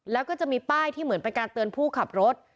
แล้วก็จะมีป้ายที่เหมือนเป็นการเตือนผู้ขับรถ